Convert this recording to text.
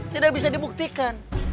tidak bisa dibuktikan